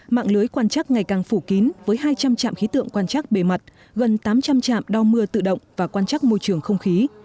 mạng lưới quan chắc ngày càng phủ kín với hai trăm linh chạm khí tượng quan chắc bề mặt gần tám trăm linh chạm đo mưa tự động và quan chắc môi trường không khí